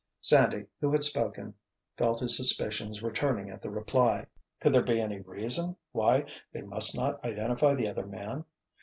Sandy, who had spoken, felt his suspicions returning at the reply. Could there be any reason why they must not identify the other man?